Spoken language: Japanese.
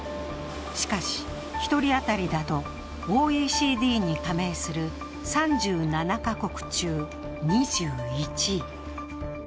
しかし、一人当たりだとＯＥＣＤに加盟する３７カ国中２１位。